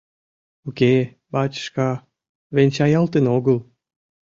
— Уке, бачышка, венчаялтын огыл.